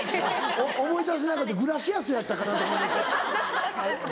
思い出せなくてグラシアスやったかな？とか。